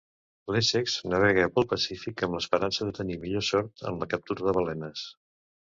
L'Essex navega pel Pacífic amb l'esperança de tenir millor sort en la captura de balenes.